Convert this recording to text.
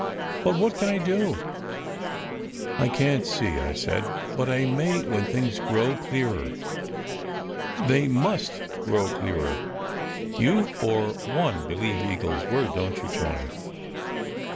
But what can I do? " "I can t see," I said, "but I may, when things grow clearer. They must grow clearer! You for one believe Eagle s word, don t you, Tony?